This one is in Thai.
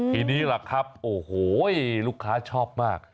ทีนี้ล่ะครับโอ้โหลูกค้าชอบมาก